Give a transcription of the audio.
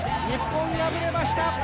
日本、敗れました。